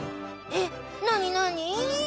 えっなになに？